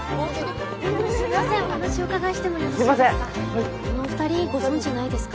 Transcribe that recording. ・はい・この２人ご存じないですか？